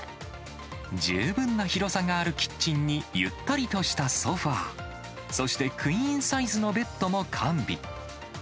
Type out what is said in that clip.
十分な広さがあるキッチンにゆったりとしたソファー、そしてクイーンサイズのベッドも完備。